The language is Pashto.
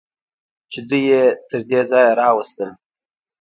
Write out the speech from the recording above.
چې دوی یې تر دې ځایه راوستل.